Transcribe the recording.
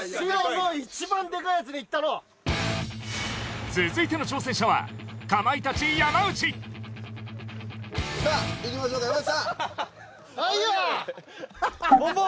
もう一番デカいやつでいったろ続いての挑戦者はかまいたち山内さあいきましょうか山内さんはいや！